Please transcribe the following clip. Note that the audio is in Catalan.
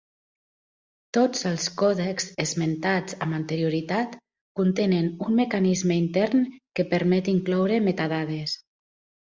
Tots els còdecs esmentats amb anterioritat, contenen un mecanisme intern que permet incloure metadades.